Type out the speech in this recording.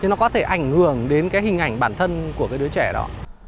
thế nó có thể ảnh hưởng đến hình ảnh bản thân của đứa trẻ đó